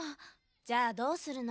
じゃあどうするの？